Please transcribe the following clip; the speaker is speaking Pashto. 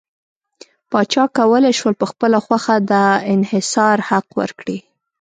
پاچا کولای شول په خپله خوښه د انحصار حق ورکړي.